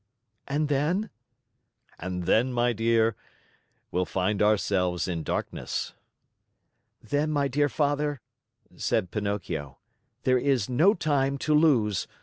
"And then?" "And then, my dear, we'll find ourselves in darkness." "Then, my dear Father," said Pinocchio, "there is no time to lose.